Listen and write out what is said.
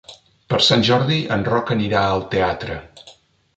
Per Sant Jordi en Roc anirà al teatre.